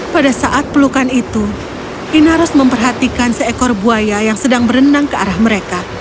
pada saat pelukan itu inaros memperhatikan seekor buaya yang sedang berenang ke arah mereka